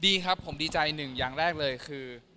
ดีครับผมดีใจหนึ่งอย่างแรกเลยคือ